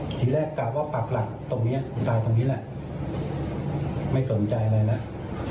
ทีแรกกะว่าปากหลักตรงนี้ตายตรงนี้แหละไม่สนใจอะไรแล้ว